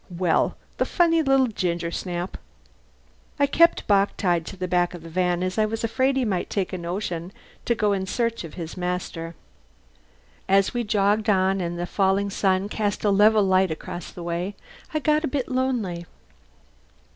Well, the funny little gingersnap! I kept Bock tied to the back of the van, as I was afraid he might take a notion to go in search of his master. As we jogged on, and the falling sun cast a level light across the way, I got a bit lonely.